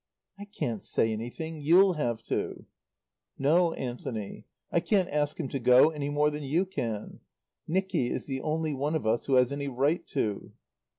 "I can't say anything. You'll have to." "No, Anthony. I can't ask him to go any more than you can. Nicky is the only one of us who has any right to."